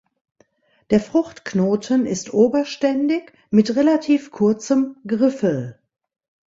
Der Fruchtknoten ist oberständig mit relativ kurzem Griffel.